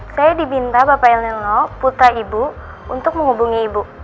saya dibinta bapak elnilno putra ibu untuk menghubungi ibu